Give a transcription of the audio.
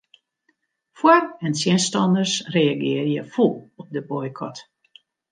Foar- en tsjinstanners reagearje fûl op de boykot.